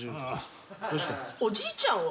おじいちゃんは？